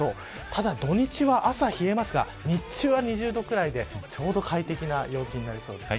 ただ、土日は朝冷えますが日中は２０度くらいでちょうど快適な陽気になりそうです。